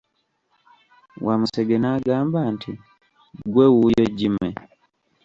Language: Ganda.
Wamusege n'agamba nti Ggwe wuuyo Jimmy.